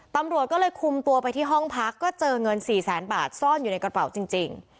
ตำรวจก็เลยคุมตัวไปที่ห้องพักก็เจอเงินสี่แสนบาทซ่อนอยู่ในกระเป๋าจริง